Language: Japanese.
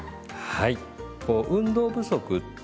はい。